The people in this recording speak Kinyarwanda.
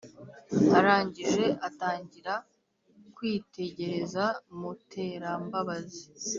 arangije atangira kwitegereza muterambabazi